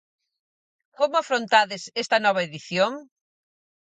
Como afrontades esta nova edición?